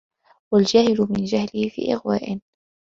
وَالْجَاهِلُ مَنْ جَهْلُهُ فِي إغْوَاءٍ